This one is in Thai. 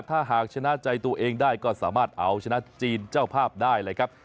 ถ้าหากชนะใจตัวเองได้ก็สามารถเอาชนะจีนเจ้าภาพได้เลยครับ